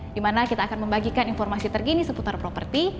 di mana kita akan membagikan informasi terkini seputar properti